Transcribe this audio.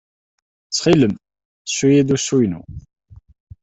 Ttxil-m, ssu-iyi-d usu-inu.